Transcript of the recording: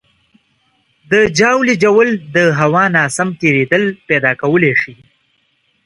د ژاولې ژوول د هوا ناسم تېرېدل پیدا کولی شي.